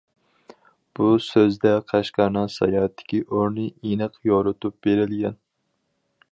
بۇ سۆزدە قەشقەرنىڭ ساياھەتتىكى ئورنى ئېنىق يورۇتۇپ بېرىلگەن.